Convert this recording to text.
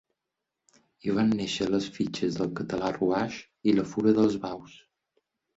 Hi van néixer les fitxes de català Ruaix i la Fura dels Baus.